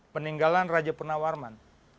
peninggalan raja pernah warman